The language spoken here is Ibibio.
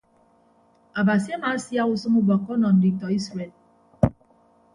Abasi amaasiak usʌñ ubọkkọ ọnọ nditọ isred.